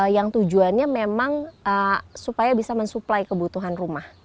yang tujuannya memang supaya bisa mensuplai kebutuhan rumah